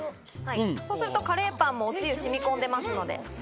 そうするとカレーパンもおつゆ染み込んでますので。